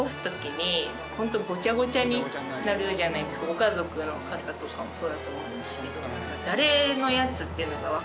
ご家族の方とかもそうだと思うんですけど。